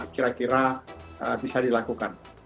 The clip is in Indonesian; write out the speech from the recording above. kira kira bisa dilakukan